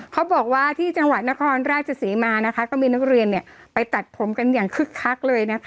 เขาบอกว่าที่จังหวัดนครราชศรีมามีน้องเรียนตัดผมอย่างคลึก